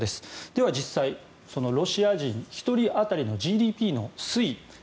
では、実際にロシア人１人当たりのＧＤＰの推移